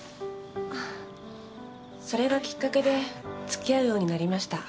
それがきっかけで付き合うようになりました。